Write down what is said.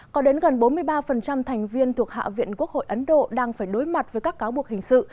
có đến gần bốn mươi ba thành viên thuộc hạ viện quốc hội ấn độ đang phải đối mặt với các cáo buộc hình sự